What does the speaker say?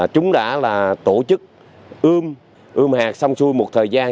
chúng đã tổ chức ươm hạt xong xui một thời gian